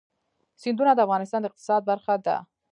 سیندونه د افغانستان د اقتصاد برخه ده.